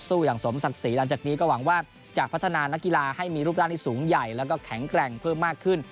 อย่างสมศักดิ์ศรีหลังจากนี้ก็หวังว่าจะพัฒนานักกีฬาให้มีรูปร่างที่สูงใหญ่แล้วก็แข็งแกร่งเพิ่มมากขึ้น